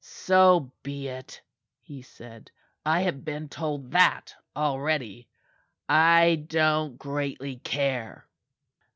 "So be it," he said. "I have been told that already. I don't greatly care."